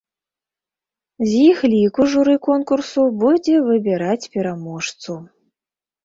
З іх ліку журы конкурсу будзе выбіраць пераможцу.